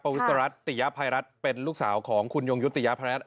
วิสรัตติยภัยรัฐเป็นลูกสาวของคุณยงยุติยพนัท